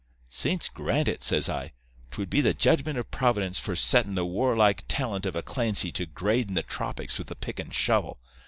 "'Saints grant it!' says I. ''Twould be the judgment of Providence for settin' the warlike talent of a Clancy to gradin' the tropics with a pick and shovel.